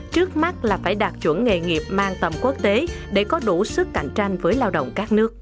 trước mắt là phải đạt chuẩn nghề nghiệp mang tầm quốc tế để có đủ sức cạnh tranh với lao động các nước